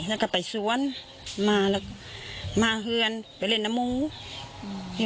แล้วก็ไปสวนมาเฮือนไปเล่นน้ำมูก